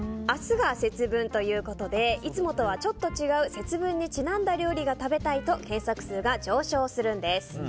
明日が節分ということでいつもとはちょっと違う節分にちなんだ料理が食べたいと検索数が上昇するんです。